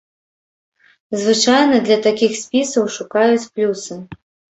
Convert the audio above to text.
Звычайна для такіх спісаў шукаюць плюсы.